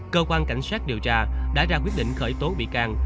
cơ quan cảnh sát điều tra đã ra quyết định khởi tố bị can